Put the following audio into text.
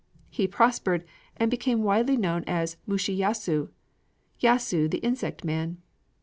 He prospered, and became widely known as Mushi Yasu, "Yasu the Insect Man."